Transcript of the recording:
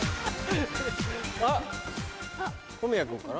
あっ小宮君かな？